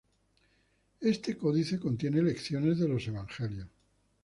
Este códice contiene lecciones de los evangelios.